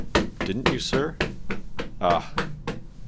"Didn't you, sir? Ah!